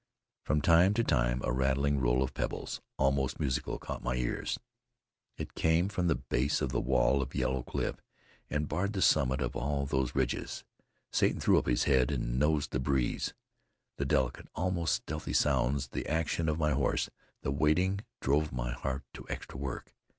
From time to time a rattling roll of pebbles, almost musical, caught my ear. It came from the base of the wall of yellow cliff that barred the summit of all those ridges. Satan threw up his head and nosed the breeze. The delicate, almost stealthy sounds, the action of my horse, the waiting drove my heart to extra work.